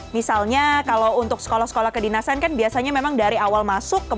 misalnya kalau untuk sekolah sekolah kedinasan kan biasanya memang dari awal masuk